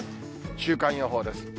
週間予報です。